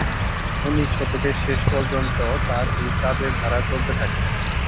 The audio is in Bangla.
উনিশ শতকের শেষ পর্যন্ত তার এই কাজের ধারা চলতে থাকে।